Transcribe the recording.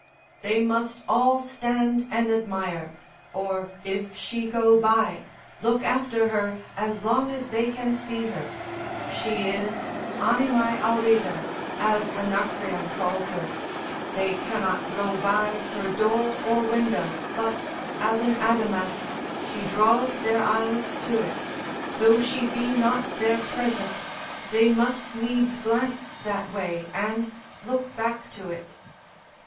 They must all stand and admire, or if she go by, look after her as long as they can see her, she is animae auriga, as Anacreon calls her, they cannot go by her door or window, but, as an adamant, she draws their eyes to it; though she be not there present, they must needs glance that way, and look back to it.